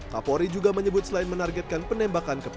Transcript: kapolri juga menyebut selain menargetkan penembakan